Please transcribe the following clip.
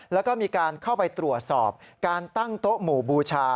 แล้วก็มีการเข้าไปตรวจสอบการตั้งโต๊ะหมู่บูชา